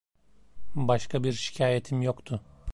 Başka bir şikâyetim yoktu.